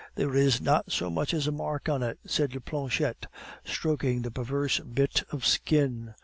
"There is not so much as a mark on it!" said Planchette, stroking the perverse bit of skin.